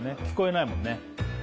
聞こえないもんね